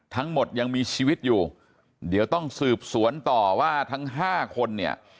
ทั้งหมดยังมีชีวิตอยู่เดี๋ยวต้องสืบสวนต่อว่าทั้งห้าคนเนี่ย